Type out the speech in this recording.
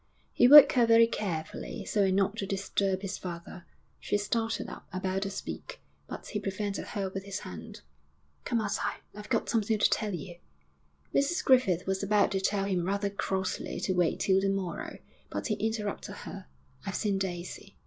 He woke her very carefully, so as not to disturb his father. She started up, about to speak, but he prevented her with his hand. 'Come outside; I've got something to tell you.' Mrs Griffith was about to tell him rather crossly to wait till the morrow, but he interrupted her, 'I've seen Daisy.'